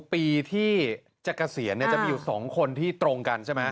ปีที่จะเกษียณจะมีอยู่๒คนที่ตรงกันใช่ไหม